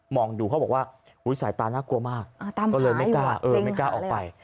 มองดูเขาบอกว่าอุ๊ยสายตาน่ากลัวมากก็เลยไม่กล้าออกไป